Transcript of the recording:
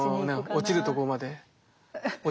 落ちるところまで落ちたと。